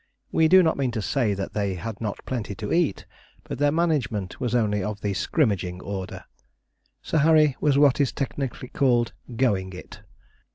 We do not mean to say that they had not plenty to eat, but their management was only of the scrimmaging order. Sir Harry was what is technically called 'going it.'